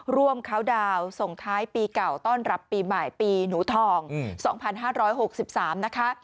เข้าดาวน์ส่งท้ายปีเก่าต้อนรับปีใหม่ปีหนูทอง๒๕๖๓นะคะ